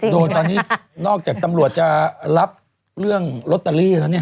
โดยตอนนี้นอกจากตำรวจจะรับเรื่องลอตเตอรี่แล้วเนี่ย